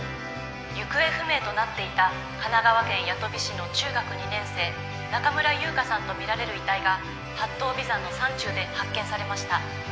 行方不明となっていた神奈川県八飛市の中学２年生中村優香さんと見られる遺体が八頭尾山の山中で発見されました。